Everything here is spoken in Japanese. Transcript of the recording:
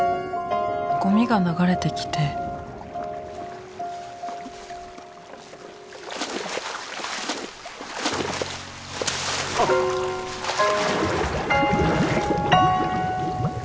ゴミが流れてきてあっ。